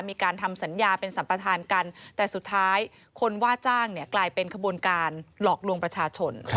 มีการทำสัญญาเป็นสัมปทานกันแต่สุดท้ายคนว่าจ้างเนี่ยกลายเป็นขบวนการหลอกลวงประชาชน